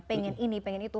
pengen ini pengen itu